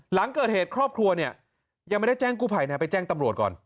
หลังเกิดเหตุครอบครัวเนี่ยยังไม่ได้แจ้งกู้ภัยนะไปแจ้งตำรวจก่อน